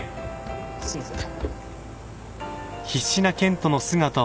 すいません。